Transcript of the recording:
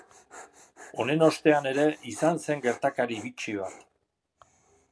Honen ostean ere izan zen gertakari bitxi bat.